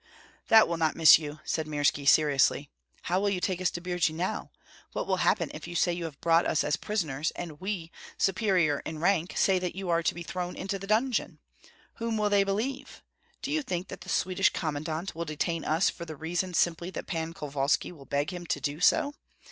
"That will not miss you," said Mirski, seriously. "How will you take us to Birji now? What will happen if you say that you have brought us as prisoners, and we, superior in rank, say that you are to be thrown into the dungeon? Whom will they believe? Do you think that the Swedish commandant will detain us for the reason simply that Pan Kovalski will beg him to do so?